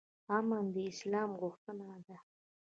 امن د اسلام غوښتنه ده